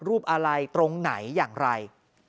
รูปอะไรตรงไหนอย่างไร